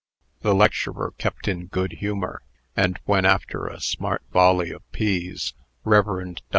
The lecturer kept in good humor; and when, after a smart volley of peas, Rev. Dr.